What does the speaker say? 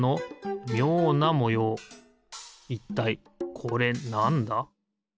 いったいこれなんだ？